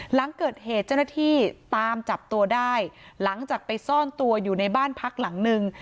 หลังเกิดเหตุเจ้าหน้าที่ตามจับตัวได้หลังจากไปซ่อนตัวอยู่ในบ้านพักหลังนึง